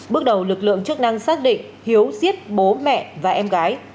bước đầu lực lượng chức năng xác định hiếu giết bố mẹ và em gái